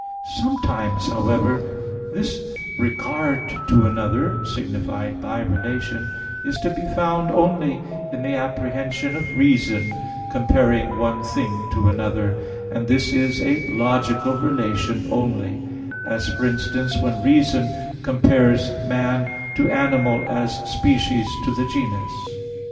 Sometimes, however, this regard to another, signified by relation, is to be found only in the apprehension of reason comparing one thing to another, and this is a logical relation only; as, for instance, when reason compares man to animal as the species to the genus.